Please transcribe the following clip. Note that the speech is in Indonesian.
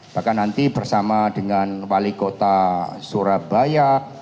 bahkan nanti bersama dengan wali kota surabaya